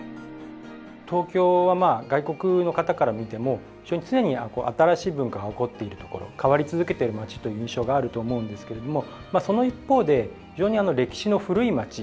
東京は外国の方から見ても非常に常に新しい文化が興っている所変わり続けている町という印象があると思うんですけれどもその一方で非常に歴史の古い町でもあると思うんですよね。